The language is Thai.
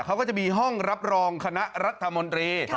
เขาก็จะมีห้องรับรองคณะรัฐมนตรี